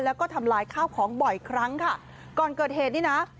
แล้วก็ทำลายข้าวของบ่อยครั้งค่ะก่อนเกิดเหตุนี่นะ